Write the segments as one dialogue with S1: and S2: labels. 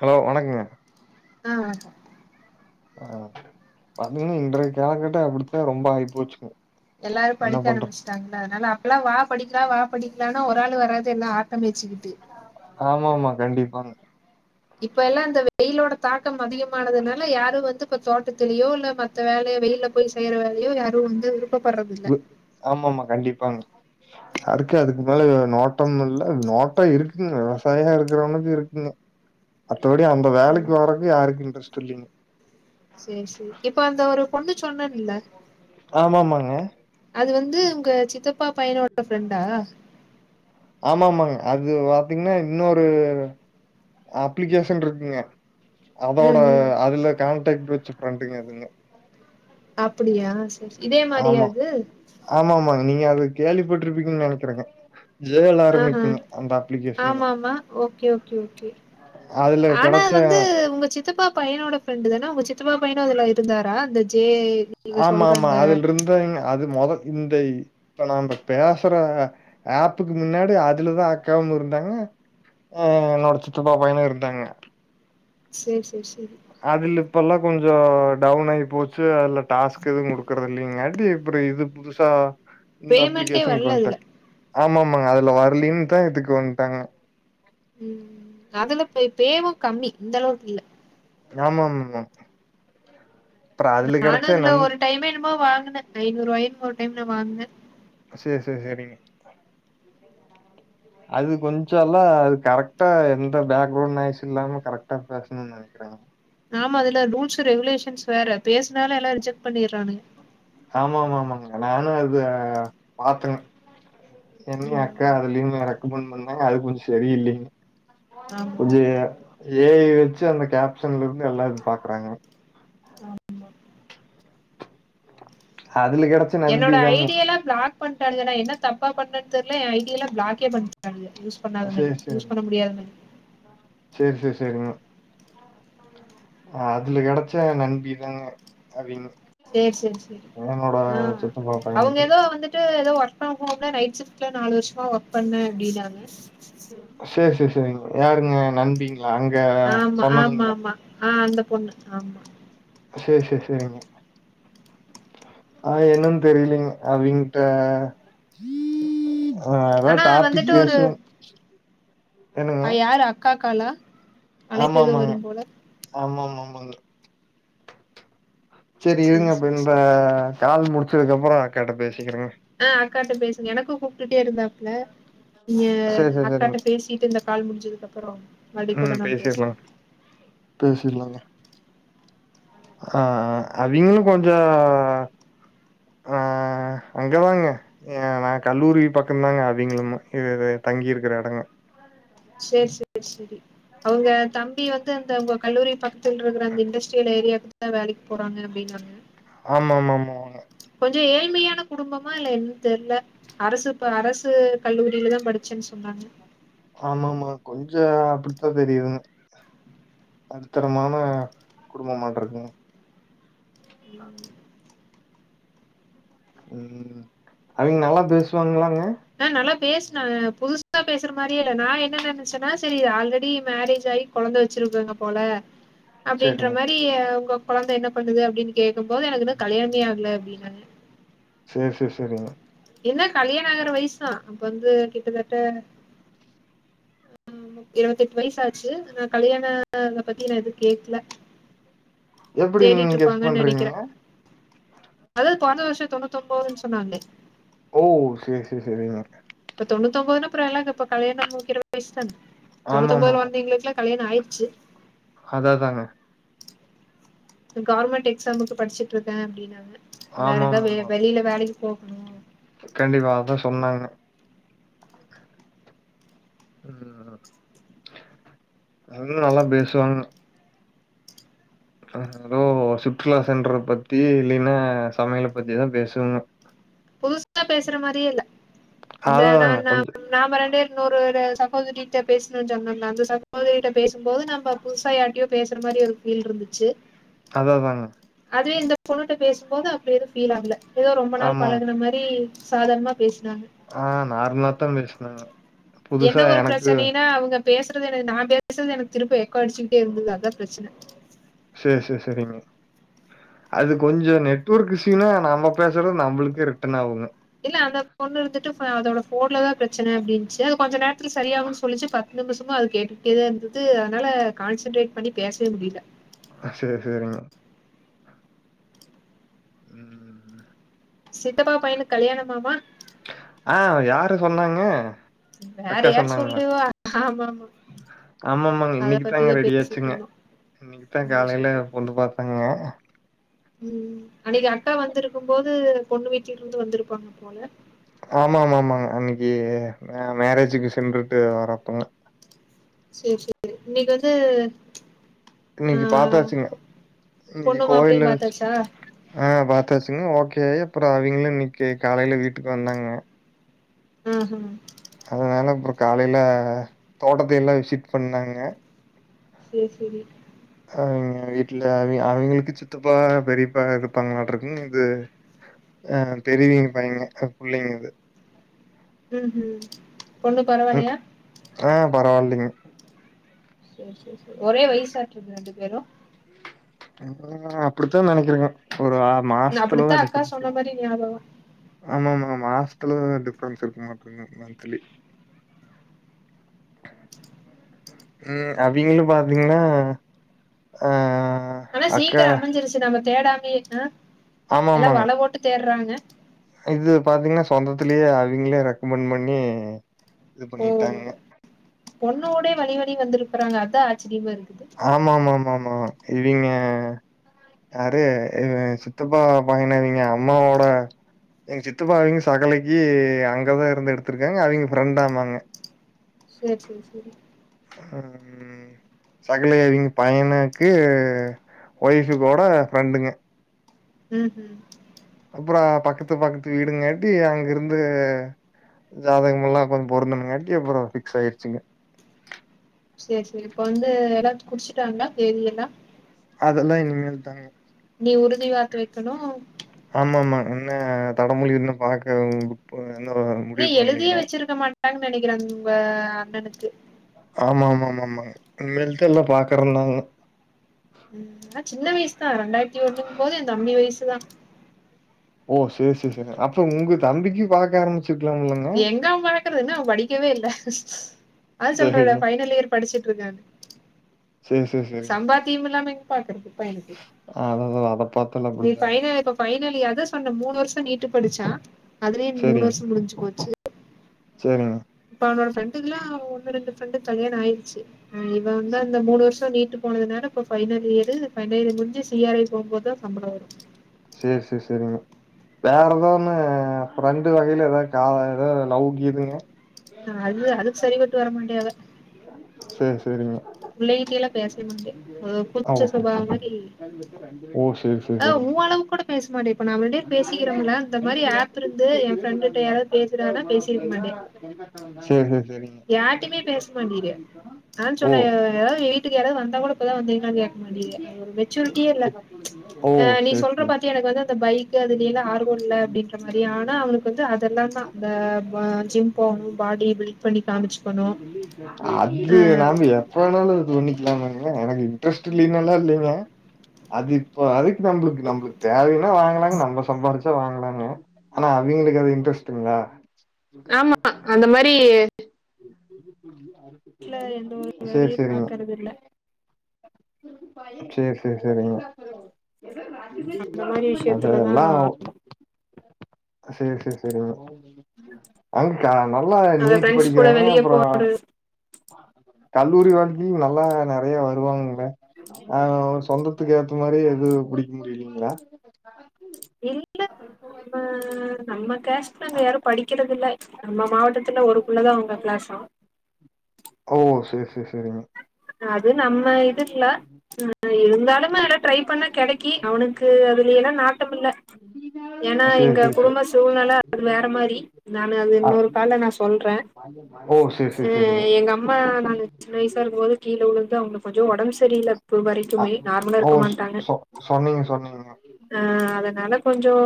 S1: Hello வணக்கங்க
S2: ஆ வணக்கம்
S1: ஆ பாத்தீங்கன்னா இன்றைய காலக்கட்டம் அப்படித்தான் ரொம்ப ஆயிப்போச்சு
S2: எல்லாரும் படிக்க ஆரம்பிச்சுட்டாங்களா அதனால அப்பெல்லாம் வா படிக்கலாம் வா படிக்கலானா ஒரு ஆளு வராது எல்லாம் தம்பி வச்சுக்கிட்டு
S1: ஆமா ஆமா கண்டிப்பாங்க
S2: இப்ப எல்லாம் இந்த வெயிலோட தாக்கம் அதிகமானதுனால யாரும் வந்து இப்ப தோட்டத்துலயோ இல்ல மத்த வேலையோ வெயில்ல போய் செய்யற வேலையோ யாரும் வந்து விருப்ப பட்றதில்ல
S1: ஆமா ஆமா கண்டிப்பாங்க அதுக்கு அதுக்கு மேல நோட்டம் இல்ல நோட்டம் இருக்குங்க விவசாயா இருக்கிறவனுக்கு இருக்குங்க மத்தபடி அந்த
S2: ம்
S1: வேலைக்கு வர்றதுக்கு யாருக்கும் இன்ட்ரெஸ்ட் இல்லைங்க
S2: சேரி சேரி இப்ப அந்த ஒரு பொண்ணு சொன்னேன்ல
S1: ஆமாமாங்க
S2: அது வந்து உங்க சித்தப்பா பையனோட ஃப்ரெண்டா
S1: ஆமா ஆமாங்க அது பாத்தீங்கன்னா இன்னொரு அப்ளிகேஷன் இருக்குங்க அதோட
S2: ம் ம்
S1: அதுல கான்டக்ட் வச்சு ஃப்ரண்டுங்க அதுங்க
S2: அப்படியா சரி இதே மாரியா
S1: ஆமா
S2: அது
S1: ஆமா ஆமாங்க நீங்க அது கேள்விப்பட்ருப்பீங்கன்னு நெனைக்கிறேங்க ஜேல
S2: ம் உம்
S1: ஆரம்பிக்குங்க அந்த அப்ளிகேஷனுங்க
S2: ஆமா ஆமா ஓகே ஓகே ஓகே
S1: அதுல
S2: ஆனா
S1: கெடைச்ச
S2: அது வந்து உங்க சித்தப்பா பையனோட ஃப்ரெண்டு தான உங்க சித்தப்பா பையனும் அதுல இருந்தாரா அந்த ஜே நீங்க
S1: ஆமா
S2: சொல்ற
S1: ஆமா
S2: அந்த
S1: அதுல் இருந்தவங்க அது மொத இந்த இப்ப நாம பேசுற ஆப்புக்கு முன்னாடி அதுலதா அக்காவும் இருந்தாங்க ஆ என்னோட சித்தப்பா பையனு இருந்தாங்க
S2: சேரி சேரி சேரி
S1: அதுல இப்ப எல்லா கொஞ்சோ டவுன் ஆயி போச்சு அல டாஸ்க் எதுவு குடுக்குறது இல்லலைங்காட்டி இப்புறோ இது புதுசா இந்த
S2: பேமெண்ட்டே
S1: அப்ளிகேஷன்கு
S2: வரல
S1: வந்ட்டே
S2: அதுல.
S1: ஆமா ஆமாங்க அதுல வரலின் தா இதுக்கு வந்ட்டேங்க
S2: ம் அதுல பே பேவு கம்மி இந்த அளவுக்கு இல்ல
S1: ஆமா ஆமா
S2: நானு அதுல ஒரு டைமோ என்னோமா வாங்குனே ஐநூற் ரூவாய்னு ஒரு டைம் நா வாங்குனே
S1: செரி செரி செரிங்க
S2: [inaudible]
S1: அது கொஞ்சலா அது கரெக்ட்டா எந்த பேக்ரௌண்ட் நாய்ஸ் இல்லாம கரெக்டா பேசணு நெனைக்கிறேங்க
S2: நாம அதுல ரூல்ஸ் ரெகுலேஷன்ஸ் வேற பேசினாலு எல்லா ரிஜெக்ட் பண்ணிறானுங்க
S1: ஆமா ஆமா ஆமாங்க நானு அத பாத்தேங்க என்னைய அக்கா
S2: ம்.
S1: அதுலயுமே ரெக்கமண்ட பண்ணே அது கொஞ்சோ சரி இல்லலைங்க
S2: ஆமா.
S1: கொஞ்ச ஏ ஏ ஐ வச்சு அந்த கேப்ஷன்ல இருந்து எல்லா இது பாக்குறாங்க
S2: ஆமா
S1: அதுல கெட
S2: என்னோட ஐ டியலா பிளாக் பண்டானுங்க என்ன தப்பா பண்ணேன் தெர்ல எ ஐ டியலா பிளாக்கே பண்ணிட்டானுங்க யூஸ் பண்ணாதமாரி
S1: சரி,
S2: யூஸ் பண்ண முடியாதமாரி
S1: செரி செரி செரிங்க ஆ அதுல கெடைச்ச நண்பி தாங்க அதிகோ
S2: செரி செரி செரி ஆ
S1: சித்தப்பா
S2: அவுங்க
S1: பையனுக்கு.
S2: ஏதோ வந்துட்டு ஏதோ ஒர்க் ஃப்ரம் ஹோம்ல நைட் ஷிஃப்ட்ல நாலு வருஷமா ஒர்க் பண்ணே அப்டின்னாங்க
S1: செரி செரி செரிங்க யாருங்க நண்பிங்களா அங்க
S2: ஆமா ஆமா
S1: சொன்னவிங்ளா
S2: ஆமா ஆ அந்த பொண்ணு ஆமா
S1: சேரி சேரி சேரிங்க ஆ என்னன் தெரிலைங்க அவிங்கிட்ட ஆ ஏதாவ்
S2: ஆனா
S1: டாபிக்
S2: வந்துட்டு
S1: பேசணு
S2: அ யாரு அக்கா காலா அழைப்பு
S1: ஆமா
S2: எதுவு
S1: ஆமாங்க
S2: வரும் போல
S1: ஆமா ஆமா ஆமாங்க சரி இருங்க
S2: சேரி
S1: இப்ப
S2: சேரி
S1: இந்த
S2: சேரி
S1: கால் முடிச்சதுக்கு அப்புறோ அக்காட்ட பேசிக்கிறேங்க
S2: ஆ அக்காட்ட பேசுங்க எனக்கு கூப்டுட்டே இருந்தாப்ல நீங்க
S1: சேரி சேரி சேரிங்க
S2: அக்காட்ட பேசி சிட்டு இந்த கால் முடிஞ்சதுக்கு அப்புறோ மறுபடி கூட
S1: ம்
S2: நம்ம
S1: பேசிர்லா
S2: பேசலா
S1: பேசிர்லாங்க ஆ ஆ அது இன்னு கொஞ்சோ ஆ அங்கதாங்க ஏ நா கல்லூரி பக்கோதாங்க அவிங்களுமு இது இது தங்கிருக்கிற எடங்க
S2: சேர் செரி செரி அவுங்க தம்பி வந்து அந்த உங்க கல்லூரி பக்கத்தில் இருக்கிற அந்த இண்டஸ்ட்ரியல் ஏரியாக்கு தா வேலைக்கு போறாங்க அப்டின்னாங்க ம்
S1: ஆமாமாமா
S2: கொஞ்ச ஏழ்மையான குடும்பமா இல்ல என் தெர்ல அரசு ப அரசு கல்லூரியிலதா படிச்சேன்னு சொன்னாங்க
S1: ஆமாமா கொஞ்ச அப்டிதா தெரியு நடுத்தரமான குடும்பமாட்ருக்குங்க
S2: ம்
S1: ம் அவைங்க நல்லா பேசுவாங்களாங்க
S2: ஆ நல்லா பேசினாங்க புதுசா பேசுற மாரியேல்ல நா என்ன நெனச்சேன்னா செரி ஆல்ரெடி மேரேஜ் ஆயி கொழந்த வெச்சிருக்காங்க போல அப்டின்ற
S1: செரிங்க
S2: மாரி இ உங்க கொழந்த என்ன பண்ணுது அப்டின்னு கேக்கும் போது எனக்கு இன்னு கல்யானமே ஆகல அப்டின்னாங்க
S1: சேர் சேர் செரிங்க
S2: என்ன கல்யாண ஆகுற வயசுதா அப்ப வந்து கிட்டத்தட்ட ம் ம் இருவத்தெட்டு வயசாச்சு அனா கல்யாண பத்தி நா எது கேக்ல
S1: எப்டி நீங்க கெஸ்
S2: தேடிட்டுருப்பாங்க நெனக்கிறே
S1: பண்றீங்கங்க
S2: அதா பொறந்த வருஷ தொண்ணூத்தொன்பதுன்னு சொன்னாங்களே
S1: ஓ சேர் சேர் செரிங்க
S2: இப்போ தொண்ணூத்தொன்பதுன்னா அப்ற ஏல்லா இப்ப கல்யணம் முடிக்கிற வயசு தான தொண்ணூத்தொன்பதுல
S1: ஆமாமாமா.
S2: வந்தவங்களுக்குளா கல்யாண ஆயிருச்சு
S1: அதா அதாங்க
S2: கவர்மெண்ட் எக்ஸாமுக்கு படிச்சுட்டுருக்கே அப்டின்னாங்க வேற எதா வெ
S1: ஆமாமாமா.
S2: வெளியில வேலைக்கு போகணு
S1: கண்டிப்பா அதா சொன்னாங்க ம் அவங்களு நல்லா பேசுவாங்கன்ன அத அதோ சுற்றுலா சென்றத பத்தி இல்லினா சமயல பத்திதா பேசுவாங்க
S2: புதுசா பேசுற மாரியே இல்ல அந்த நா
S1: அதாதாங்க
S2: நா
S1: கொஞ்சம்
S2: நாம ரெண்டு பேரு இன்னொரு ஒரு சகோதரிட்ட பேசணு சொன்னென்ல அந்த சகோதரிட்ட பேசும்போது நம்ப புதுசா யார்ட்டயோ பேசுற மாரி ஒரு ஃபீல்ருந்துச்சு
S1: அதா அதாங்க
S2: அதுவே இந்த பொண்ணுட்ட பேசும்போது அப்டி எது ஃபீல் ஆகல ஏதோ ரொம்ப நாள்
S1: ஆமாம்.
S2: அந்த மாரி சாதார்னமா பேசுனாங்க
S1: ஆ நார்மலாதா பேசுனாங்க
S2: என்ன
S1: புதுசா
S2: ஒரு
S1: எனக்கு
S2: பிரச்சனைனா அவங்க பேசுறது எனக்கு நா பேசுறது எனக்கு திருப்பி எக்கோ அடிச்சுக்கிட்டே இருந்தது அதா பிரச்சன
S1: சேர் சேர் செரிங்க அது கொஞ்சோ நெட்வொர்க் இஷ்யுன்னா நம்ம பேசுறது நம்மளுக்கே ரிட்டன் ஆகுங்க
S2: இல்ல அந்த பொண்ணு இருந்துட்டு ஃப அதோட ஃபோன்ல தா பிரச்சன அப்டின்ச்சு அது கொஞ்ச நேரத்துல சரியாகுன்னு சொல்லிச்சு ப த்து நிப்ஷமா அது கேட்டுக்கிட்டே தா இருந்துது அதனால கான்சென்ட்ரேட் பண்ணி பேசவே முடியில
S1: அ சேர் சேரிங்க ம்
S2: சித்தப்பா பையனுக் கல்யாணமாமா
S1: ஆ யாரு சொன்னாங்க
S2: வேற
S1: அக்கா
S2: யார் சொல்லுவா ஆமா ஆமா
S1: ஆமா ஆமாங்க இன்னிக்குதாங்க ரெடியாச்சுங்க இன்னைக்குதா
S2: ஓ
S1: காலையில
S2: சூப்பர்.
S1: பொண்ணு பாத்தாங்க
S2: ம் அன்னைக்கு அக்கா வந்துருக்கு போது பொண்ணு வீட்ல இருந்து வந்துருப்பாங்க போல
S1: ஆமா ஆமா ஆமாங்க அன்னைக்கு மேரேஜுக்கு சென்றுட்டு வரப்பங்க
S2: சேர் செரி இன்னைக்கு வந்து ஆ
S1: இன்னைக்கு பாத்தாச்சுங்க இன்னைக்கு
S2: பொண்ணு
S1: கோயில்ல
S2: மாப்பிள்ளையும்
S1: வெச்சு
S2: பாத்தாச்சா?
S1: ஆ பாத்தாச்சுங்க ஓக்கே ஆயி அப்பறோ அவிங்ளோ இன்னைக்கு காலைல வீட்டுக்கு வந்தாங்க
S2: ம் ஹூ ம்
S1: அதனால அப்பறோ காலல தோட்டத்த எல்லா விசிட் பண்ணாங்க
S2: சேர் செரி
S1: அவிங்க வீட்ல அவி அவிங்களுக்கு சித்தப்பா பெரிப்பா இருப்பாங்ளாட்ருக்கு இது ஆ பெரியவிங்க பையங்க புள்ளைங்கது
S2: ம் ம் பொண்ணு
S1: ம்
S2: பரவாலயா
S1: ஆ பரவால்லைங்க
S2: சேர் சேர் சேர் ஒரே வயசாட்ருக்கு ரெண்டு பேரு
S1: [inaudible] அப்டித்தா நெனைக்கறேங்க ஒரு ஆ
S2: அப்டித்தா
S1: மாசத்துலதா
S2: அக்கா சொன்ன மாரி ஞாபகோ
S1: ஆமாமாமா ஹாஸ்டல டிஃப்ரன்ஸ் இருக்கமாட்ருக்குங் மன்த்லி ம் அவிங்களு பாத்தீங்ன்னா ஆ
S2: ஆனா
S1: அக்கா
S2: சீக்கிரோ அமைஞ்சிருச்சு நம்ம தேடாமயே அ எல்லா
S1: ஆமாமாங்க.
S2: வல போட்டு தேட்றாங்க
S1: இது பாத்தீங்ன்னா சொந்தத்திலயே அவிங்களே ரெக்கமெண்ட் பண்ணி இது
S2: ஓ
S1: பண்ணிட்டாங்கங்க
S2: பொண்ணோடே வழிவழிய வந்திருக்குறாங்க அதா ஆச்சரியமா இருக்குது
S1: ஆமாமாமாமா இவிங்க யாரு இவ சித்தப்பா பையனவிங்க அம்மாவோட எங்க சித்தப்பா அவிங்க சகலைக்கு அங்கதா இருந்து எடுத்திருக்காங்க அவிங்க ஃப்ரெண்ட் ஆமாங்க
S2: சேர் சேர் சேர் செரி
S1: அ ம் சகல அவிங்க பையனுக்கு ஒய்ஃபு கூட ஃப்ரெண்டுங்க
S2: ம்ஹூம்
S1: அப்பறோ பக்கத்து பக்கத்து வீடுங்காட்டி அங்கிருந்து ஜாதகமெல்லா கொஞ்ச பொருந்தணங்காட்டி அப்பறோ ஃபிக்ஸ் ஆயிருச்சுங்க
S2: சேர் சேரி இப்ப வந்து எல்லா குறிச்சிட்டாங்ளா தேதி எல்லா
S1: அதெல்லா இனிமேல் தாங்க
S2: நீ உறுதி வார்த்த வெக்கணு
S1: ஆமாமாங் ன்ன தடமொழி இன்னு பாக்க [unintelligible]
S2: இன்னு எழுதியே
S1: பண்லீங்க
S2: வச்சிருக்க மாட்டாங்க நெனைக்கிறே உங்க அண்ணனுக்கு
S1: ஆமாமாமாங்க இனிமேல்த் எல்லா பாக்கறண்ணாங்க
S2: ம் ஆனா சின்ன வயசு தா ரெண்டாயிரத்தி ஒண்ணுங் போது எந் தம்பி வயசுதா
S1: ஓ சேர் சேர் செரிங்க அப்போ உங்க தம்பிக்கு பாக்க ஆரம்பிச்சிருக்லாம் இல்லங்க
S2: இதா பாக்கறது இன்னு அவ படிக்கவே இல்ல அது சொல்றனே
S1: சரிங்க
S2: ஃபைனல் இயர் படிச்சுட்ருக்காணு
S1: சேரி சேரி சேரிங்க
S2: சம்பாத்தியம் இல்லாம எங் பாக்றது பையனுக்கு
S1: அததா அத பாத்தால
S2: நீ
S1: அப்டித்தாங்க
S2: ஃபைனல் ஃபைனலி அதா சொன்ன மூணு வருஷோ நீட்டு படிச்சா அதுலயே மூனு வருஷோ முடிஞ்சி போச்சு
S1: செரிங்
S2: இப்ப அவனோட ஃப்ரெண்டுக்லா ஒன்னு ரெண்டு ஃப்ரெண்டுக் கல்யாண ஆயிர்ச்சு ம் இவ வந்து அந்த மூனு வருஷோ நீீட்டு போனதுனால இப்ப ஃபைனல் இயரு ஃபைனல் இயர் முஞ்சி சி ஆர் ஐ போம்போதா சம்பள வரு
S1: சேர் சேர் செரிங்க வேற எதோ ஒன்னு ஃப்ரெண்டு வகைல ஏதா கா ஏதாவது லவ் கீதுங்க
S2: ஆ அது அதுக்கு சரி பட்டு வரமாட்டேயவ
S1: சேர் சேரிங்க
S2: விலை மேல பேச முன்டே ஒரு கூச்ச
S1: ஓ
S2: சுபாவம் [unintelligible]
S1: ஓ சேர்
S2: ஆ உ அளவுக்கு கூட பேச மாட்டே இப்ப நா வந்து பேசிக்கிறோம்ல இந்த
S1: சேரி
S2: மாரி ஆப் இருந்து ஏ ஃப்ரெண்ட்ட யாராது பேசிரானா பேசிருக்க மாட்டே
S1: சேர் சேர் சேரி
S2: யாரிட்டையுமே பேச மாண்டிரே ஆ
S1: ஓ
S2: சொன்ன ஏதாது ஏதாவது வீட்டுக்கு யாராவது வந்தா கூட இப்பதா வந்தீங்ளா கேட்க மாட்டீய அது ஒரு மெச்சுரிட்டியே இல்ல
S1: ஓ
S2: அ நீ
S1: சேரி
S2: சொல்ற
S1: சேரி
S2: பாத்தியா எனக்கு வந்து அந்த பைக் கு அதிலேலா ஆர்வோ இல்ல அப்டின்ற மாரி ஆனா அவனுளுக்கு வந்து அதெலா தா இந்த பா ஜிம் போனு பாடி வில் ப
S1: அது நாம் ஏ எப்பனாலு தோண்ணிக்கிலாமாக்க எனக்கு இன்ட்ரெஸ்ட் இல்லேனாலா இல்லங்க அது இப்ப அதுக் நம்ளுக்கு நம்ளுக்கு தேவையோ அ வாங்கலாங்க நம்ம சம்பாரிச்சா வாங்கலாங்க ஆனா அதுங்களுக்கு அது இன்ட்ரெஸ்டிங்ளா எங்க
S2: ஆமா
S1: இருக்கான்னு
S2: அந்த
S1: பாத்துட்டு வா
S2: மாரி
S1: அப்பறமா சொல் ஒரு பொய் சொல்லி
S2: வீட்ல எந்த ஒரு
S1: அது சேரி
S2: வேலையு
S1: சேரிங்க
S2: பாக்கறது இல்ல
S1: சேர் சேர் சேரிங்க
S2: அந்த மாரி
S1: அது அது
S2: விஷயத்துலதா
S1: எல்லாவு சேர் சேர் சேரிங்க அம் கா நல்லா
S2: அந்த
S1: நீட்டு
S2: ஃப்ரெண்ட்ஸ் கூட
S1: படிக்கிறாங்க
S2: வெளிய போ
S1: அப்ரோ கல்லூரி வாழ்க்கையு நல்லா நெறய வருவாங்கள ஆ சொந்தத்துக்கு ஏத்த மாரி எது புடிக்க முடியலங்ளா
S2: இல்ல நம்ம நம்ம கஸ்ட் நாங்க யாரு படிக்கிறத இல்ல நம்ம மாவட்டத்துல ஒருக்குள்ளதா உங்க கிளாஸ்சா
S1: ஓ சேரி சேரி சேரிங்க
S2: அது நம்ம இது இல்ல இருந்தாலுமே எல்லா ட்ரை பண்ணா கெடைக்கி அவனுக் க்கு அதுல ஏனா நாட்டம் இல்ல ஏனா
S1: சேரி
S2: எங்க
S1: சேரி சேரி
S2: குடும்ப சூழ்நில அது வேற மாரி இருந்தாலு அது
S1: அ
S2: இன்னொரு கால்ல நா சொல்ற
S1: ஓ சேரி சேரி சேரி சேரிங்க
S2: அம்மா நாங்க சின்ன வயசா இருக்கும்போது கீழே வுழுந்து அவுங்களுக்கு கொஞ்சோ உடம்பு சரியில்ல இப்ப
S1: அ
S2: வரைக்குமே நார்மலா
S1: ஓ
S2: இருக்க மாட்டாங்க
S1: சொ சொன்னீங்க சொன்னீங்க
S2: அ அதனால கொஞ்சோ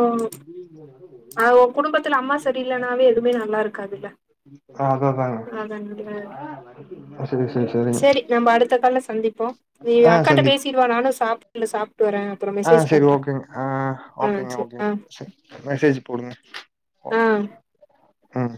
S2: அ ஒ குடும்பத்தில அம்மா சரி இல்லனாவே எதுமே நல்லா இருக்காது இல்ல
S1: அத தாங்க
S2: ஆதன்டிவேர்
S1: சேரி சேரி சேரிங்க
S2: நம்ம அடுத்த கால்ல சந்திப் அப்போ நீ
S1: ஆ
S2: அக்காட்ட
S1: சந்திக்
S2: பேசிடுவான நானு சாப்ட்டு சாப்டு வரே அப்ரோ
S1: ஆ
S2: மெசேஜ்
S1: சேரி
S2: பண்ற
S1: ஓகேங்க ஆ ஓகேங்க ஓகேங்க மெசேஜ் போடுங்க ஓ
S2: ஆ
S1: ம்